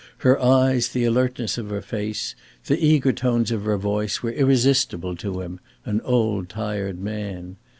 Her eyes, the alertness of her face, the eager tones of her voice, were irresistible to him, an old tired man.